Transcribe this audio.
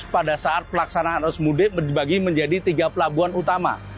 pada saat pelaksanaan arus mudik dibagi menjadi tiga pelabuhan utama